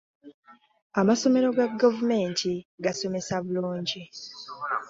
Amasomero ga gavumenti gasomesa bulungi.